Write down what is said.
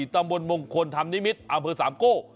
ตำบลมงคลธรรมนิมิตรอำเภอสามโก้